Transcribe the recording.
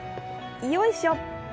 よいしょ！